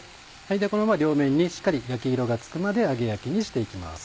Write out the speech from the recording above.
このまま両面にしっかり焼き色がつくまで揚げ焼きにして行きます。